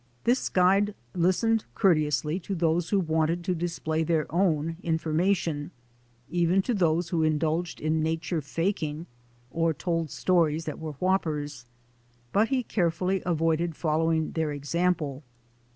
This guide listened courteously to those who wanted to display their own information — even to those who indulged in nature faking or told stories that were w r hoppers; but he carefully avoided fol lowing their example.